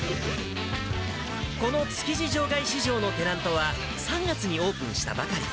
この築地場外市場のテナントは、３月にオープンしたばかり。